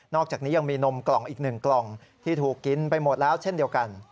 อกจากนี้ยังมีนมกล่องอีกหนึ่งกล่องที่ถูกกินไปหมดแล้วเช่นเดียวกัน